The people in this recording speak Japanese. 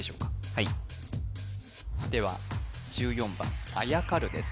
はいでは１４番あやかるです